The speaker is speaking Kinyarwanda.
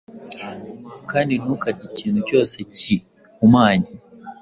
kandi ntukarye ikintu cyose gihumanye,